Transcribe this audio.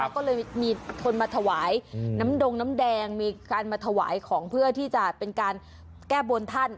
ก็เลยมีคนมาถวายน้ำดงน้ำแดงมีการมาถวายของเพื่อที่จะเป็นการแก้บนท่าน